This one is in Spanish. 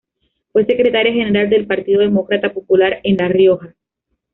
Fue secretaria general del Partido Demócrata Popular en La Rioja.